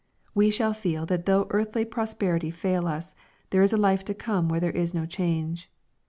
We shall feel that though earthly prosperity fail us, there is a life to come where there is no change.